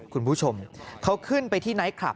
คุณผู้ชมเขาขึ้นไปที่ไนท์คลับ